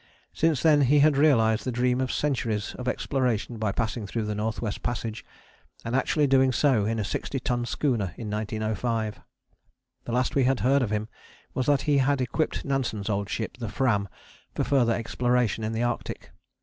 Since then he had realized the dream of centuries of exploration by passing through the North West Passage, and actually doing so in a 60 ton schooner in 1905. The last we had heard of him was that he had equipped Nansen's old ship, the Fram, for further exploration in the Arctic.